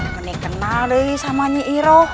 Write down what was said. aku mau kenal dengan nyai